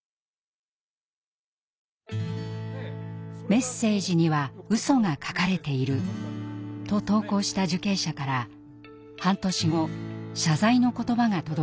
「メッセージにはうそが書かれている」と投稿した受刑者から半年後謝罪の言葉が届きました。